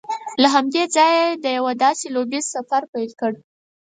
له همدې ځایه یې د یوه داسې لوبیز سفر پیل وکړ